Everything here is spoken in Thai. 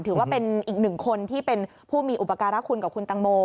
ถือว่าเป็นอีกหนึ่งคนที่เป็นผู้มีอุปการะคุณกับคุณตังโม